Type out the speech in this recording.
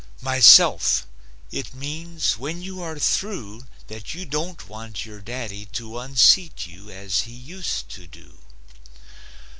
"MYSELF!" It means when you are through That you don't want your daddy to Unseat you, as he used to do.